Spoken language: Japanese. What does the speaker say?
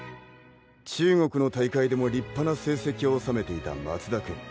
中国の大会でも立派な成績を修めていた松田君。